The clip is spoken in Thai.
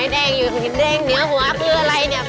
แดงอยุ่ตรงที่นี่